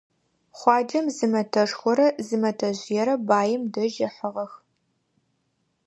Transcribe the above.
Хъуаджэм зы мэтэшхорэ зы мэтэжъыерэ баим дэжь ыхьыгъэх.